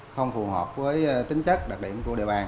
không phù hợp với tình hình thực tế